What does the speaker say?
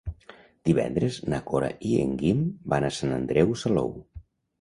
Divendres na Cora i en Guim van a Sant Andreu Salou.